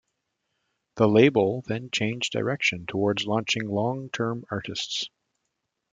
The label then changed direction towards launching long-term artists.